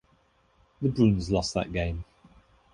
The Bruins lost that game.